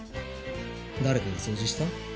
誰かが掃除した？